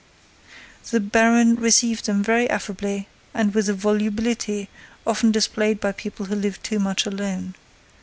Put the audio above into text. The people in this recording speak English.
The baron received them very affably and with the volubility often displayed by people who live too much alone.